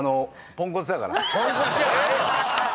ポンコツじゃないよ。